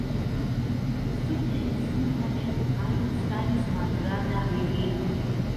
Supre sur la ŝtuparo staris malgranda virino.